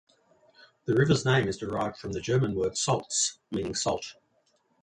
The river's name is derived from the German word "Salz", meaning salt.